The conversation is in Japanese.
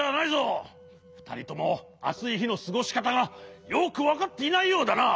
ふたりともあついひのすごしかたがよくわかっていないようだな。